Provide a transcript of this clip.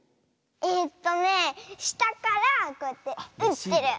えっとねしたからこうやってうってる。